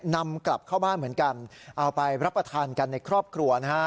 นำกลับเข้าบ้านเหมือนกันเอาไปรับประทานกันในครอบครัวนะฮะ